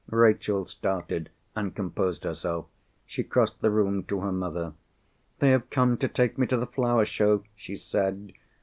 Rachel started, and composed herself. She crossed the room to her mother. "They have come to take me to the flower show," she said.